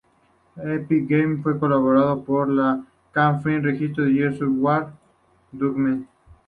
Epic Games en colaboración con People Can Fly registraron "Gears of War: Judgment".